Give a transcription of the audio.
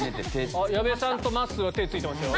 矢部さんとまっすーは手ついてますよ。